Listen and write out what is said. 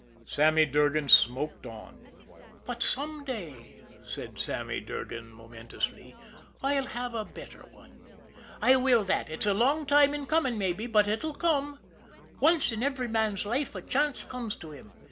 Sammy Durgan smoked on. "But some day," said Sammy Durgan momentously, "I'll have a better one. I will that! It's a long time in coming mabbe, but it'll come. Once in every man's life a chance comes to him.